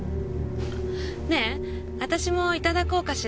ねえ私もいただこうかしら。